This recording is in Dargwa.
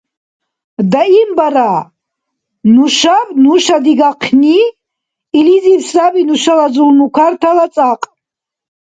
Даимбара! Нушаб нуша дигахъни, - илизиб саби нуша зулмукартала цӀакь.